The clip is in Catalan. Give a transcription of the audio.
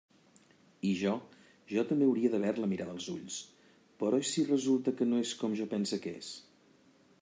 I jo, jo també hauria d'haver-la mirada als ulls, però i si resulta que no és com jo pense que és?